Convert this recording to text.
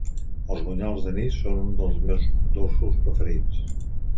Els bunyols d'anís són un dels meus dolços preferits